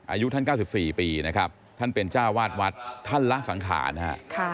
อายุท่านเก้าสิบสี่ปีนะครับท่านเป็นเจ้าวาดวัดท่านรักสังขารนะครับ